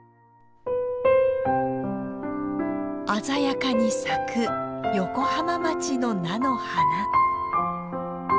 鮮やかに咲く横浜町の菜の花。